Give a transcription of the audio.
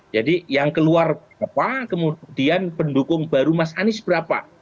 jadi yang keluar berapa kemudian pendukung baru mas anies berapa